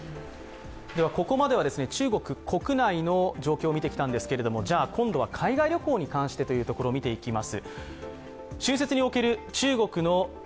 ここまでは中国国内の状況を見てきたんですけれども今度は海外旅行に関して見ていきます。